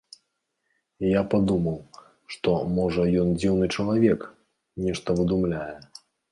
І я падумаў, што, можа, ён дзіўны чалавек, нешта выдумляе.